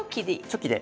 チョキで。